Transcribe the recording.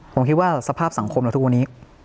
ผมคิดว่าสภาพสังคมเราทุกวันนี้